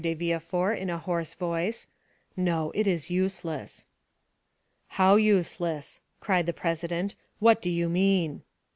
de Villefort in a hoarse voice; "no, it is useless!" "How useless?" cried the president, "what do you mean?"